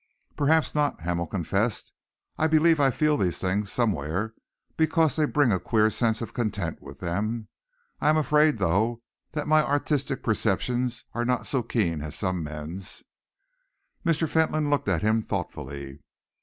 "Perhaps not," Hamel confessed. "I believe I feel these things somewhere, because they bring a queer sense of content with them. I am afraid, though, that my artistic perceptions are not so keen as some men's." Mr. Fentolin looked at him thoughtfully.